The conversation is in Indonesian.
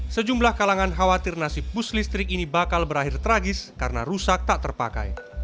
sejumlah kalangan khawatir nasib bus listrik ini bakal berakhir tragis karena rusak tak terpakai